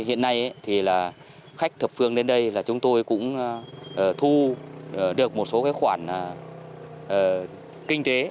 hiện nay khách thập phương đến đây là chúng tôi cũng thu được một số khoản kinh tế